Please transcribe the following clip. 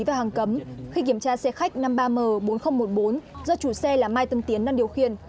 và hàng cấm khi kiểm tra xe khách năm mươi ba m bốn nghìn một mươi bốn do chủ xe là mai tân tiến đang điều khiển